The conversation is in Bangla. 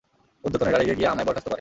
উর্ধ্বতনেরা রেগে গিয়ে, আমায় বরখাস্ত করে।